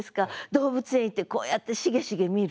動物園行ってこうやってしげしげ見る。